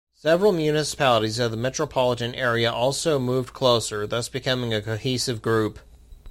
Several municipalities of the metropolitan area also moved closer, thus becoming a cohesive group.